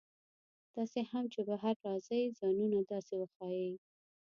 تاسي هم چې بهر راځئ ځانونه داسې وښایئ.